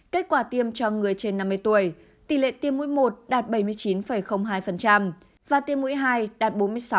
kết quả tiêm cho người trên năm mươi tuổi tỷ lệ tiêm mũi một đạt bảy mươi chín hai và tiêm mũi hai đạt bốn mươi sáu